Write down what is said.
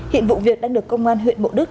hiện vụ việc đang được công an huyện bộ đức